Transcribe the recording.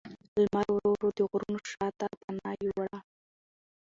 لمر ورو ورو د غرونو شا ته پناه یووړه